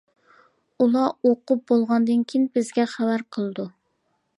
ئۇلار ئوقۇپ بولغاندىن كېيىن بىزگە خەۋەر قىلىدۇ.